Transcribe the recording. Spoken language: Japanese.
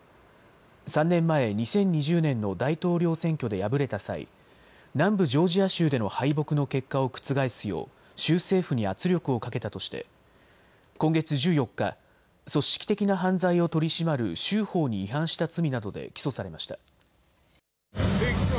３年前、２０２０年の大統領選挙で敗れた際、南部ジョージア州での敗北の結果を覆すよう州政府に圧力をかけたとして今月１４日、組織的な犯罪を取り締まる州法に違反した罪などで起訴されました。